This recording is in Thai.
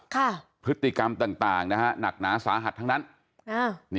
ค่ะพฤติกรรมต่างนะฮะหนักหนาสาหัสทั้งนั้น